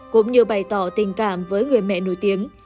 cũng như bày tỏ tình cảm với người mẹ nổi tiếng